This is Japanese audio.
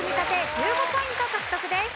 １５ポイント獲得です。